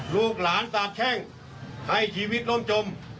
ลูกหลานสาบแช่งให้ชีวิตล่มจม